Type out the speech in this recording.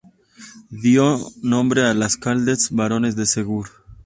Dio nombre a los Calders, barones de Segur.